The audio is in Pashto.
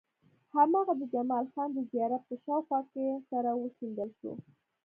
هماغه د جمال خان د زيارت په شاوخوا کې سره وشيندل شو.